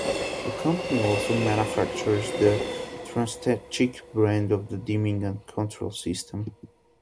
The company also manufactures the "Transtechnik" brand of dimming and control systems.